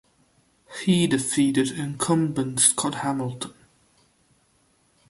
He defeated incumbent Scott Hamilton.